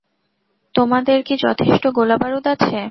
তোমাদের কি যথেষ্ট গোলাবারুদ আছে?